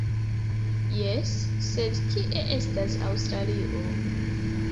Jes, sed kie estas Aŭstralio?